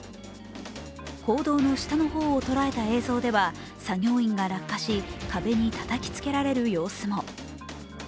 坑道の下の方を捉えた映像では作業員が落下し、壁にたたきつけられる様子も。